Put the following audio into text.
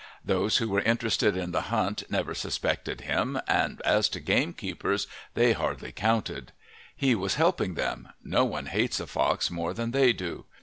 Those who were interested in the hunt never suspected him, and as to gamekeepers, they hardly counted. He was helping them; no one hates a fox more than they do.